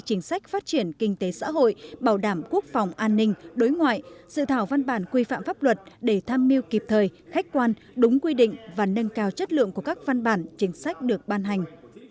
chính sách phát triển kinh tế xã hội bảo đảm quốc phòng an ninh đối ngoại dự thảo văn bản quy phạm pháp luật để tham mưu kịp thời khách quan đúng quy định và nâng cao chất lượng của các văn bản chính sách được ban hành